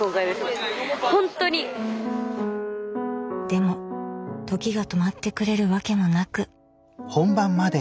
でも時が止まってくれるわけもなく。